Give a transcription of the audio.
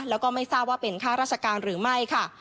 แล้วก็ไม่ทราบว่าเป็นค่าราชการหรือไม่ค่ะ